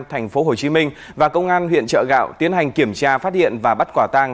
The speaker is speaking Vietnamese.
tp hcm và công an huyện trợ gạo tiến hành kiểm tra phát hiện và bắt quả tăng